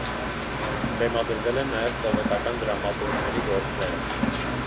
Բեմադրվել են նաև սովետական դրամատուրգների գործերը։